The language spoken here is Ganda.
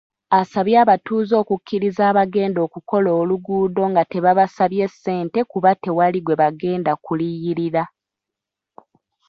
Asabye abatuuze okukkiriza abagenda okukola oluguudo nga tebabasabye ssente kuba tewali gwe bagenda kuliyirira.